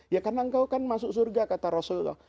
ya karena engkau kan masuk surga kata rasulullah